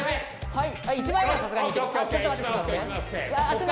はい。